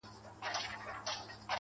ژوند له مینې نه رنګ اخلي.